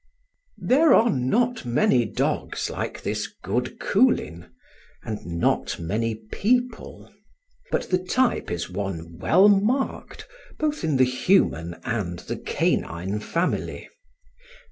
There are not many dogs like this good Coolin. and not many people. But the type is one well marked, both in the human and the canine family.